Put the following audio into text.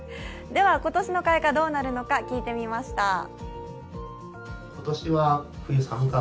では、今年の開花どうなるのか聞いてみました。